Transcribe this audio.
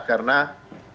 karena kalau itu